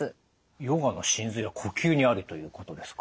ヨガの神髄は呼吸にありということですか。